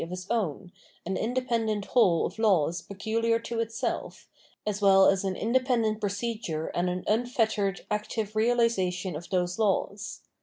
611 The Moral View of the World its own, an independent whole of laws pecnliar to it self, as well as an independent procedure and an un fettered active realisation of those laws.